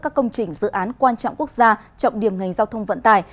các công trình dự án quan trọng quốc gia trọng điểm ngành giao thông vận tải